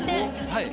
・はい。